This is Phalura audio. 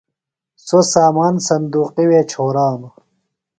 سوۡ سامان صُندوقیۡ وے چھورانوۡ۔